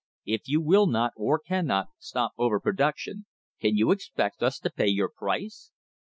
If you will not, or cannot, stop over production, can you expect us to pay your price?